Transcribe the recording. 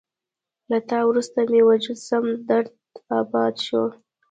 له تا وروسته مې وجود سم درداباد شو